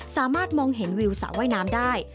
สามารถมองเห็นวิวสระว่ายน้ำได้